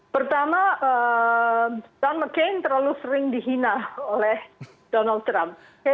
pertama john mccain terlalu sering dihina oleh donald trump